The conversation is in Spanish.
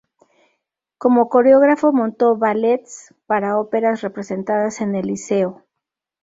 Como coreógrafo montó ballets para óperas representadas en el Liceo.